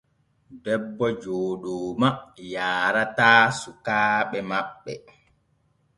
Debbo Jooɗooma yaarataa sukaaɓe maɓɓe.